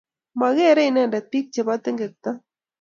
Mageerei Inendet bik che bo tengekto.